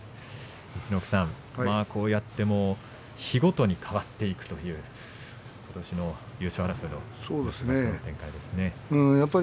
陸奥さん、こうして日ごとに変わっていくという今場所の優勝争いですね。